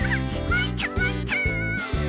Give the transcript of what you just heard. もっともっと！